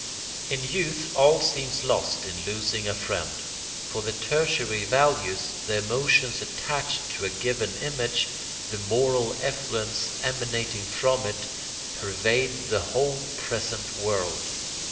In youth all seems lost in losing a friend. For the tertiary values, the emotions attached to a given image, the moral effluence emanating from it, pervade the whole present world.